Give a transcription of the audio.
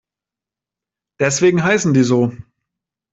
Deswegen heißen die so.